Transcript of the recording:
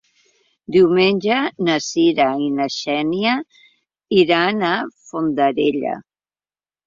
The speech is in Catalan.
Diumenge na Cira i na Xènia iran a Fondarella.